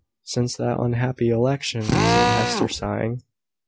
"Since that unhappy election," said Hester, sighing.